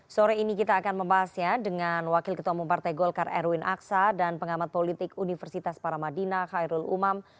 sore ini kita akan membahasnya dengan wakil ketua umum partai golkar erwin aksa dan pengamat politik universitas paramadina khairul umam